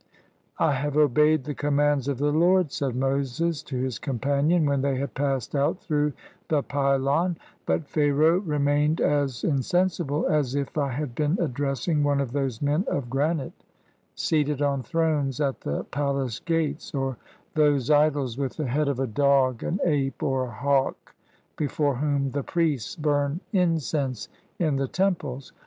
''I have obeyed the commands of the Lord," said Moses to his companion, when they had passed out through the pylon; "but Pharaoh remained as insen sible as if I had been addressing one of those men of granite seated on thrones at the palace gates, or those idols with the head of a dog, an ape, or a hawk, before whom the priests bum incense in the temples.